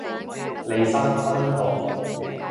利申真毒